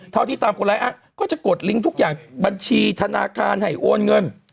ที่ตามคนร้ายอ้างก็จะกดลิงค์ทุกอย่างบัญชีธนาคารให้โอนเงิน